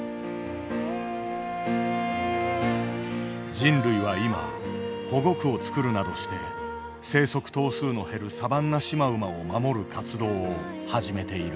人類は今保護区を作るなどして生息頭数の減るサバンナシマウマを守る活動を始めている。